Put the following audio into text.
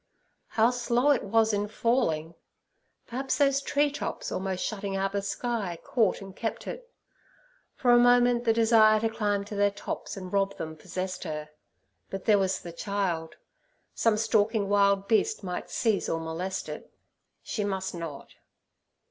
How slow it was in falling! Perhaps those tree tops, almost shutting out the sky, caught and kept it. For a moment the desire to climb to their tops and rob them possessed her; but there was the child—some stalking wild beast might seize or molest it. She must not.